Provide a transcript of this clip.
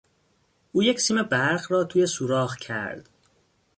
او یک سیم برق را توی سوراخ کرد.